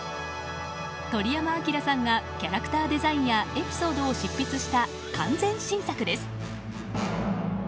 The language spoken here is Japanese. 鳥山明さんがキャラクターデザインやエピソードを執筆した完全新作です。